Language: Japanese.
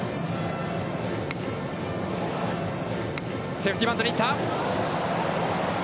セーフティーバントに行った。